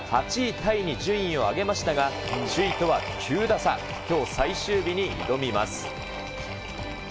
タイに順位を上げましたが、首位とは９打差、きょう最終日に挑みます。